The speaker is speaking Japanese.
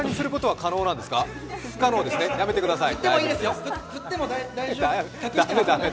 不可能ですね、やめてください。